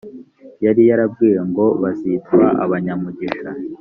yari yarabwiwe ngo abazitwa abanyamugisha